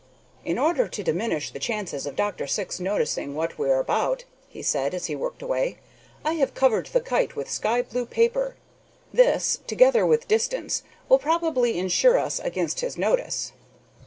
"In order to diminish the chances of Dr. Syx noticing what we are about," he said, as he worked away, "I have covered the kite with sky blue paper. This, together with distance, will probably insure us against his notice."